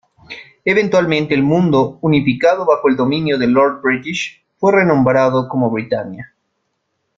Eventualmente el mundo, unificado bajo el dominio de Lord British, fue renombrado como Britannia.